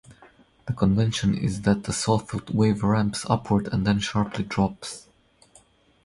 The convention is that a sawtooth wave ramps upward and then sharply drops.